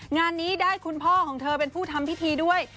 งานนี้ได้คุณพ่อของเธอเป็นผู้ทำพิธีด้วย